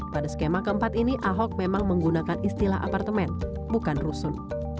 pada skema keempat ini ahok memang menggunakan istilah apartemen bukan rusun